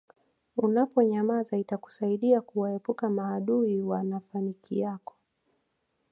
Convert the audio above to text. Unaponyamaza itakusaidia kuwaepuka maadui wa nafanikii yako